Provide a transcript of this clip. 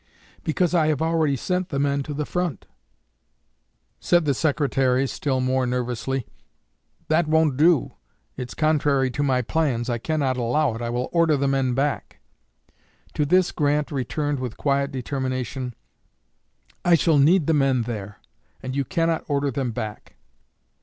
"Because I have already sent the men to the front." Said the Secretary, still more nervously: "That won't do. It's contrary to my plans. I cannot allow it. I will order the men back." To this Grant returned with quiet determination: "I shall need the men there, and you cannot order them back."